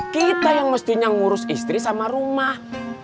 kita yang mestinya ngurus istri sama rumah